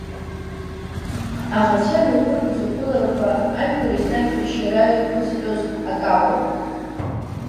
Аӷацәа имҩаԥыргоз ақәыларақәа ажәлар еснагь ршьара иқәызҟьоз акакәын.